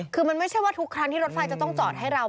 คือมันไม่ใช่ว่าทุกครั้งที่รถไฟจะต้องจอดให้เรา